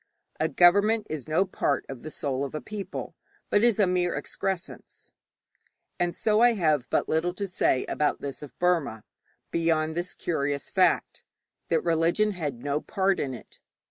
A government is no part of the soul of the people, but is a mere excrescence; and so I have but little to say about this of Burma, beyond this curious fact that religion had no part in it.